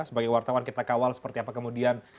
sebagai wartawan kita kawal seperti apa kemudian